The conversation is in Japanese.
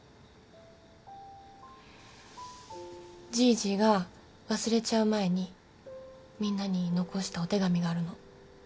じいじが忘れちゃう前にみんなに残したお手紙があるの。